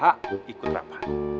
hak ikut rapat